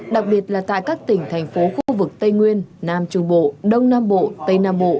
đặc biệt là tại các tỉnh thành phố khu vực tây nguyên nam trung bộ đông nam bộ tây nam bộ